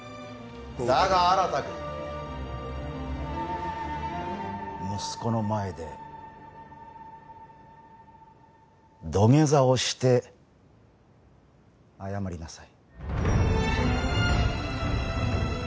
だが新くん息子の前で土下座をして謝りなさい。